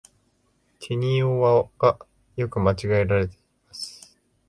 てにをはが、よく間違えられています。